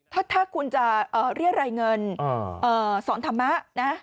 ถ้าคุณจะเรียรายเงินสอนธรรมะนะ